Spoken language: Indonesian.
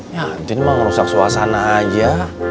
ya intin emang merusak suasana aja